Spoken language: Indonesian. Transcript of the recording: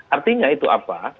artinya itu apa